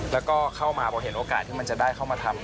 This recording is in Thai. แล้วก็เข้ามาพอเห็นโอกาสที่มันจะได้เข้ามาทำ